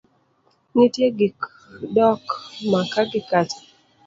nitie gi dok maka gi kacha.